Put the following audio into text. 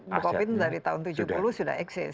bukopin dari tahun tujuh puluh sudah eksis